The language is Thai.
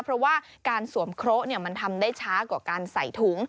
เพราะว่าการสวมเคราะห์มันทำได้ช้ากว่าการใส่ถุง